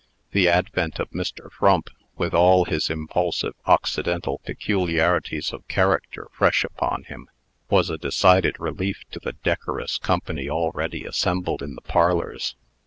The advent of Mr. Frump, with all his impulsive occidental peculiarities of character fresh upon him, was a decided relief to the decorous company already assembled in the parlors.